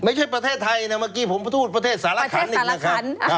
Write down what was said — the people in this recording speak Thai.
ไม่ใช่ประเทศไทยนะเมื่อกี้ผมพูดประเทศสารขันอีกแล้วครับ